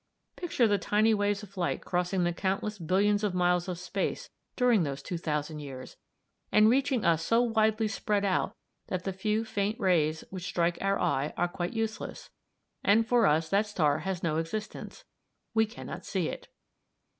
Picture the tiny waves of light crossing the countless billions of miles of space during those two thousand years, and reaching us so widely spread out that the few faint rays which strike our eye are quite useless, and for us that star has no existence; we cannot see it.